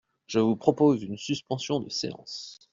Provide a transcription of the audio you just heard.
Je vous propose une suspension de séance.